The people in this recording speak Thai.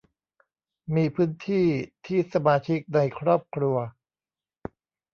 มีพื้นที่ที่สมาชิกในครอบครัว